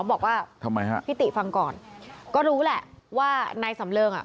บอกว่าทำไมฮะพี่ติฟังก่อนก็รู้แหละว่านายสำเริงอ่ะ